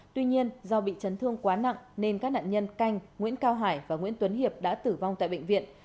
tuy nhiên do bị chấn thương quá nặng nên các nạn nhân canh nguyễn cao hải và nguyễn tuấn hiệp đã tử vong tại bệnh viện